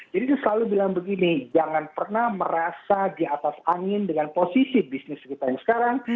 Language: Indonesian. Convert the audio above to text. jadi selalu bilang begini jangan pernah merasa di atas angin dengan posisi bisnis kita yang sekarang